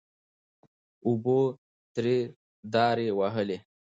اوبو ترې دارې وهلې. .